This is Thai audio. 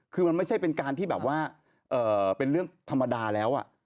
คือมันไม่ใช่เป็นการที่แบบว่าเป็นเรื่องธรรมดาแล้ว